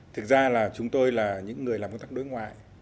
thực ra là chúng tôi là những người làm công tác đối ngoại